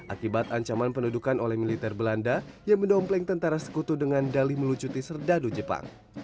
akibat ancaman pendudukan oleh militer belanda yang mendompleng tentara sekutu dengan dalih melucuti serdadu jepang